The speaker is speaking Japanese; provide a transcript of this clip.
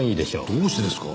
どうしてですか？